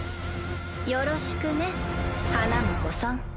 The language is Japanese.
よろしくね花婿さん。